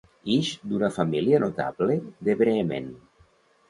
Ix d'una família notable de Bremen.